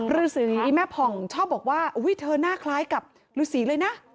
ฤษีแม่ผ่องชอบบอกว่าเธอหน้าคล้ายกับฤษีเลยนะ